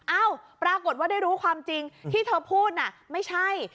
เอ้าปรากฏว่าได้รู้ความจริงที่เธอพูดน่ะไม่ใช่